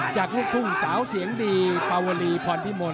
ลูกทุ่งสาวเสียงดีปาวลีพรพิมล